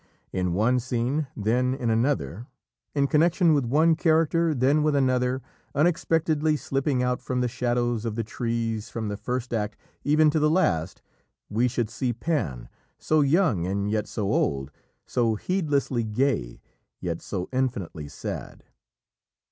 In one scene, then in another, in connection with one character, then with another, unexpectedly slipping out from the shadows of the trees from the first act even to the last, we should see Pan so young and yet so old, so heedlessly gay, yet so infinitely sad.